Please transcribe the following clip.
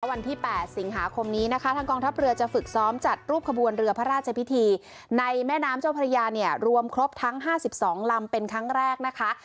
วันที่๘สิงหาคมนี้นะคะทางกองทัพเรือจะฝึกซ้อมจัดรูปขบวนเรือพระราชพิธีในแม่น้ำเจ้าพระยาเนี่ยรวมครบทั้ง๕๒ลำเป็นครั้งแรกนะคะ